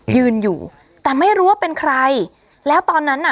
ยืนอยู่แต่ไม่รู้ว่าเป็นใครแล้วตอนนั้นน่ะ